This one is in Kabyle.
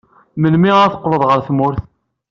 Melmi ara teqqled ɣer tmurt?